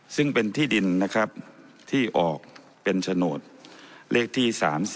ซึ่งเป็นที่ดินนะครับที่ออกเป็นโฉนดเลขที่๓๔